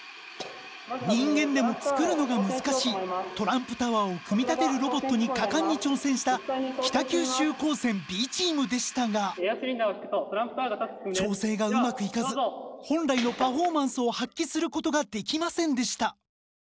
人間でも作るのが難しいトランプタワーを組み立てるロボットに果敢に挑戦した北九州高専Ｂチームでしたが調整がうまくいかず本来のパフォーマンスを発揮することができませんでした。